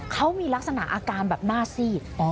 เขามีลักษณะอาการแบบหน้าซีด